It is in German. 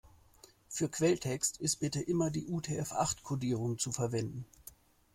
Für Quelltext ist bitte immer die UTF-acht-Kodierung zu verwenden.